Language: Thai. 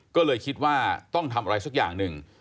ก็เลยคิดว่าต้องทำอะไรสักอย่างหนึ่ง